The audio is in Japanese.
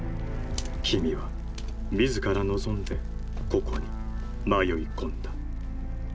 君は自ら望んでここに迷い込んだ。